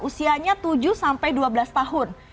usianya tujuh sampai dua belas tahun